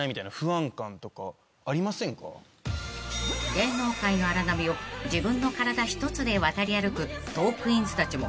［芸能界の荒波を自分の体一つで渡り歩くトークィーンズたちも］